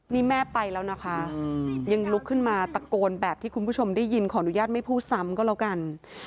นี่แม่ไปแล้วนะคะยังลุกขึ้นมาตะโกนแบบที่คุณผู้ชมได้ยินขออนุญาตไม่พูดซ้ำก็แล้วกัน